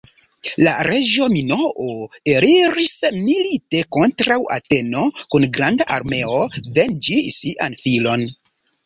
La reĝo Minoo eliris milite kontraŭ Ateno kun granda armeo venĝi sian filon.